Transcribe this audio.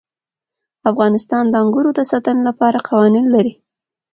افغانستان د انګورو د ساتنې لپاره قوانین لري.